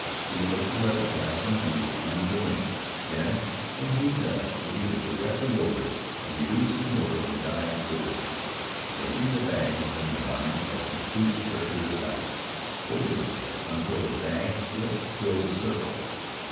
He was to let it pass from view under the wing; then, when he judged that he was directly over it, to reduce his motor and dive vertically, placing the bag within the line of his two circular sights, holding it there until the bag just filled the circle.